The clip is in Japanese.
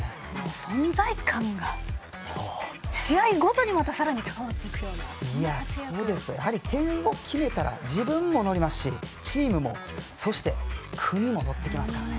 存在感が試合ごとにまたさらに変わっていくような点を決めたら自分も乗りますし、チームもそして、国も乗ってきますからね。